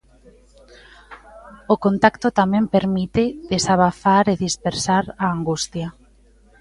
O contacto tamén permite desabafar e dispersar a angustia.